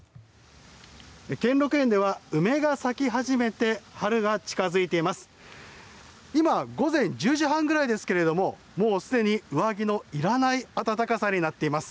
兼六園では、梅が咲き始めて春が近づいています。